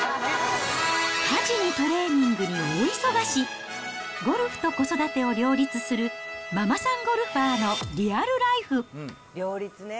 家事にトレーニングに大忙し、ゴルフと子育てを両立するママさんゴルファーのリアルライフ。